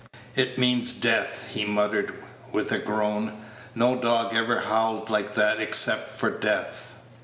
"It means death," he muttered, with a groan. "No dog ever howled like that except for death."